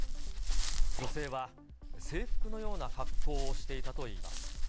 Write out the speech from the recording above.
女性は制服のような格好をしていたといいます。